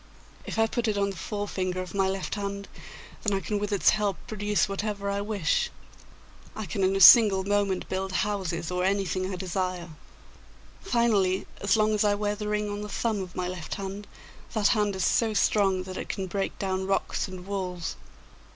If I put it on the forefinger of my left hand, then I can with its help produce whatever I wish. I can in a single moment build houses or anything I desire. Finally, as long as I wear the ring on the thumb of my left hand, that hand is so strong that it can break down rocks and walls.